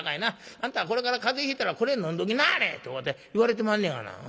『あんたこれから風邪ひいたらこれ飲んどきなはれ』って言われてまんねやがな。